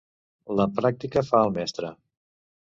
La pràctica fa el mestre